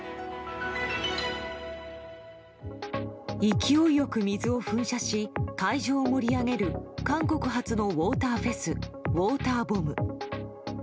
勢いよく水を噴射し会場を盛り上げる韓国発のウォーターフェスＷＡＴＥＲＢＯＭＢ。